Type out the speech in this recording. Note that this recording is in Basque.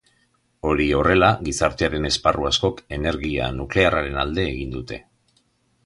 Hori horrela, gizartearen esparru askok energia nuklearraren alde egin dute.